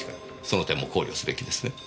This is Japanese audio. その点も考慮すべきですね。